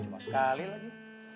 cuma sekali lagi